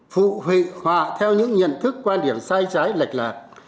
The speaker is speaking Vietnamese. phụ huynh họa theo những nhận thức quan điểm sai trái lệch lạc